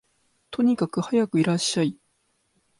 とにかくはやくいらっしゃい